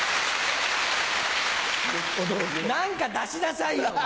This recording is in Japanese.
何か出しなさいよ！